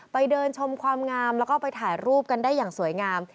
ไปเดินชมความงามแล้วก็ไปถ่ายรูปกันได้อย่างสวยงาม